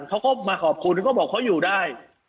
เขาก็มาขอบคุณเขาบอกเขาอยู่ได้